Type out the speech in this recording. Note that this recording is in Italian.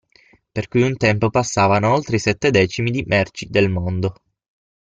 Per cui un tempo passavano oltre i sette decimi di merci del mondo.